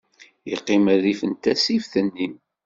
Yeqqim rrif n tasift-nni.